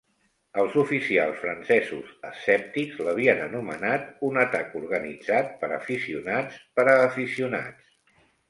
Els oficials francesos escèptics l'havien anomenat "un atac organitzat per aficionats per a aficionats".